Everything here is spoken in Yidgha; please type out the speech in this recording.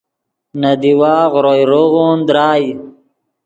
نے دیوا غروئے روغون درائے